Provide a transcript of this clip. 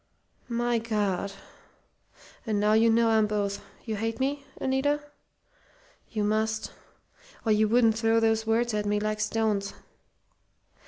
"My God! And now you know I'm both, you hate me, Anita? You must, or you wouldn't throw those words at me like stones."